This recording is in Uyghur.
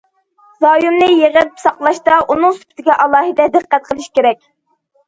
زايومنى يىغىپ ساقلاشتا ئۇنىڭ سۈپىتىگە ئالاھىدە دىققەت قىلىش كېرەك.